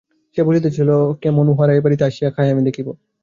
সে বলিতেছিল, কেমন উহারা এ বাড়িতে আসিয়া খায় আমি দেখিব।